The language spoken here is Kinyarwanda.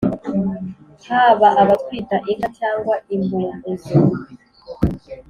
haba abatwita inka cyangwa imbuguzo.